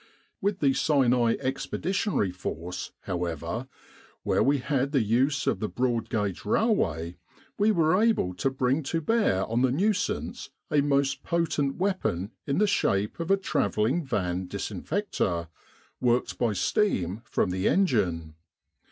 With the Sinai Expeditionary Force, however, where we had the use of the broad gauge railway, we were able to bring to bear on the nuisance a most potent weapon in the shape of a travelling van disinfector, worked by steam from the engine.